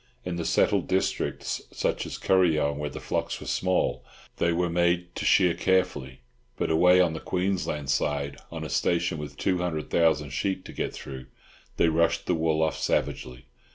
In the settled districts such as Kuryong, where the flocks were small, they were made to shear carefully; but away out on the Queensland side, on a station with two hundred thousand sheep to get through, they rushed the wool off savagely.